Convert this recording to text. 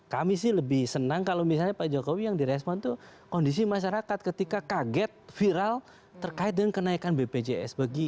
kami sih lebih senang kalau misalnya pak jokowi yang direspon itu kondisi masyarakat ketika kaget viral terkait dengan kenaikan bpjs begitu